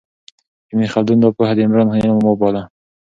ابن خلدون دا پوهه د عمران علم وباله.